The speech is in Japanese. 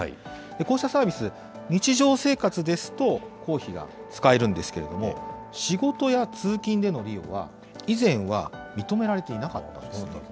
こうしたサービス、日常生活ですと、公費が使えるんですけれども、仕事や通勤での利用は、以前は認められていなかったんです。